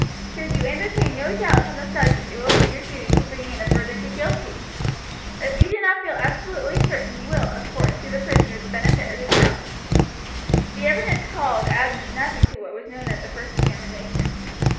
Should you entertain no doubt upon the subject it will be your duty to bring in a verdict of guilty; if you do not feel absolutely certain you will of course give the prisoner the benefit of the doubt." The evidence called added nothing to what was known at the first examination.